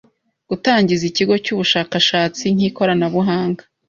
gutangiza ikigo cy’ubushakashatsi n’ikoranabuhanga